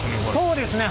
そうですね。